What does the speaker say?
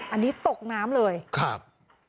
อันนี้ตกน้ำเลยครับ